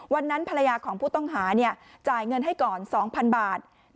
ภรรยาของผู้ต้องหาจ่ายเงินให้ก่อน๒๐๐๐บาท